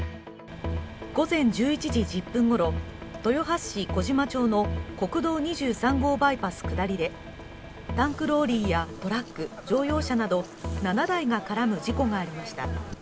午前１１時１０分ごろ、豊橋市小島町の国道２３号バイパス下りでタンクローリーやトラック、乗用車など７台が絡む事故がありました。